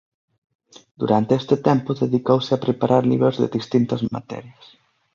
Durante este tempo dedicouse a preparar libros de distintas materias.